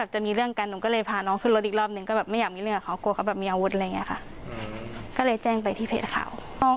ใช่ค่ะในสภาพแบบนี้ค่ะ